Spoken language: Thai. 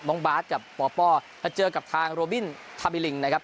น้องบาทกับปปเจอกับทางโรบินทาบิลิงนะครับ